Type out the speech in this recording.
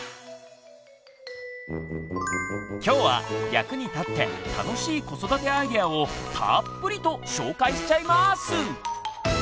今日は役に立って楽しい子育てアイデアをたっぷりと紹介しちゃいます！